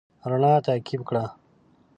رڼا تعقيب کړه.